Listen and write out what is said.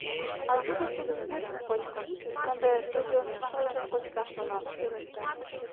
А тудо тудын вӱржым кочкын, ынде тудын шылжым кочкаш шонат!